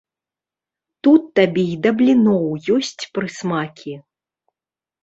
Тут табе і да бліноў ёсць прысмакі!